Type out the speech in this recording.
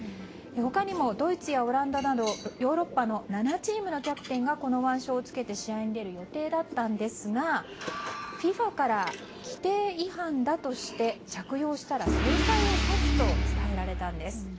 他にもドイツやオランダなどヨーロッパの７チームのキャプテンがこの腕章を着けて試合に出る予定だったんですがＦＩＦＡから規定違反だとして着用したら制裁を科すと伝えられたんです。